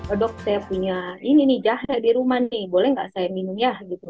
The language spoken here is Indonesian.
oh dok saya punya ini nih jahe di rumah nih boleh nggak saya minum ya gitu